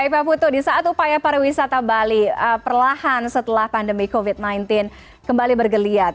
baik pak putu di saat upaya pariwisata bali perlahan setelah pandemi covid sembilan belas kembali bergeliat